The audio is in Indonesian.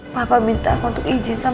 bapak minta aku untuk ijin sama kamu